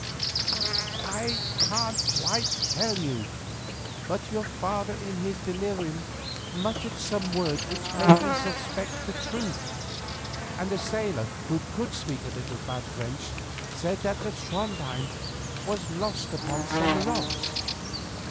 "I can't quite tell you; but your father in his delirium muttered some words which made me suspect the truth, and a sailor who could speak a little bad French said that the Trondhjem was lost upon some rocks.